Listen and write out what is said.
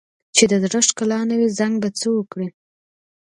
چې د زړه ښکلا نه وي، زنګ به څه وکړي؟